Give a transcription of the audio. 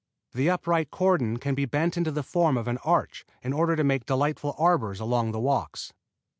The upright cordon can be bent into the form of an arch in order to make delightful arbors along the walks.